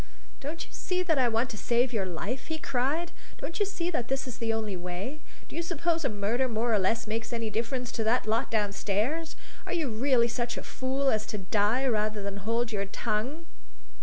"Don't you see that I want to save your life?" he cried. "Don't you see that this is the only way? Do you suppose a murder more or less makes any difference to that lot downstairs? Are you really such a fool as to die rather than hold your tongue?"